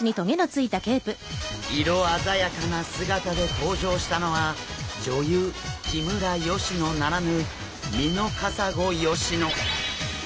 色鮮やかな姿で登場したのは女優木村佳乃ならぬミノカサゴ佳乃！